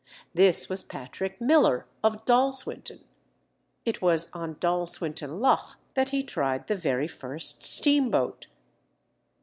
This was Patrick Miller, of Dalswinton. (It was on Dalswinton Loch that he tried the very first steamboat.)